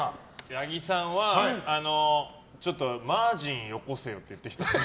ヤギさんはマージンよこせよって言ってきた。